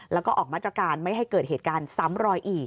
แล้วก็ออกมาตรการไม่ให้เกิดเหตุการณ์ซ้ำรอยอีก